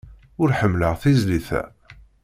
Ur ḥemmleɣ tizlit-a.